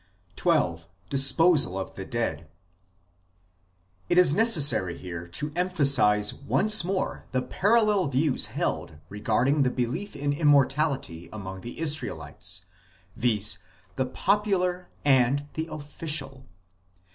XII. DISPOSAL OF THE DEAD It is necessary here to emphasize once more the parallel views held regarding the belief in Immortality among the Israelites, viz. the popular and the " official."